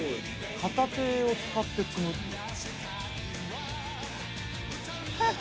片手を使って積むっていう